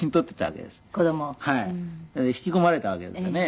引き込まれたわけですよね。